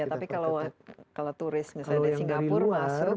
tapi kalau turis misalnya di singapura